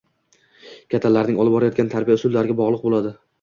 kattalarning olib borayotgan tarbiya usullariga bog‘liq bo‘ladi.